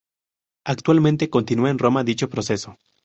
Actualmente continua en Roma dicho proceso.